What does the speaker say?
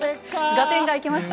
合点がいきました？